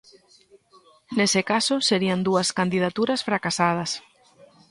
Nese caso, serían dúas candidaturas fracasadas.